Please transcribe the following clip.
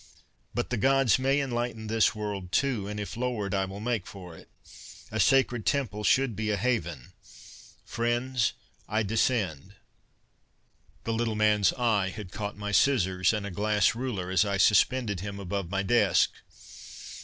But the gods may enlighten this world, too, and if lowered, I will make for it. A sacred Temple should be a haven friends! I descend." _The little man's eye had caught my scissors and a glass ruler as I suspended him above my desk.